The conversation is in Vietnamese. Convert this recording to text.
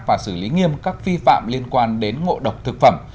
và xử lý nghiêm các phi phạm liên quan đến ngộ độc thực phẩm